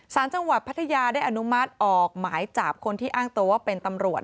สารจังหวัดพัทยาได้อนุมัติออกหมายจับคนที่อ้างตัวว่าเป็นตำรวจ